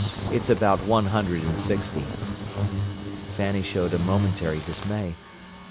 "It's about one hundred and sixty." Fanny showed a momentary dismay.